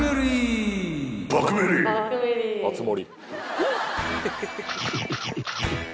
熱盛！